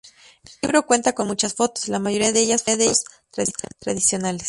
El libro cuenta con muchas fotos, la mayoría de ellas fotos tradicionales.